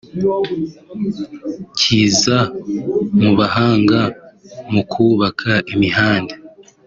kiza mu bahanga mu kubaka imihanda